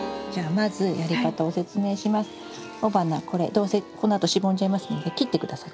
どうせこのあとしぼんじゃいますので切って下さい。